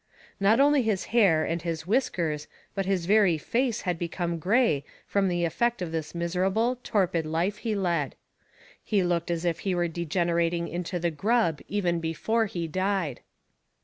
Not only his hair and his whiskers, but his very face had become grey from the effect of the miserable, torpid life he led. He looked as if he were degenerating into the grub even before he died.